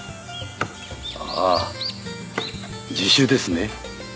ああ自首ですね？